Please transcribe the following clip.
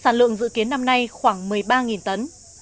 sản lượng dự kiến năm nay khoảng một mươi ba tấn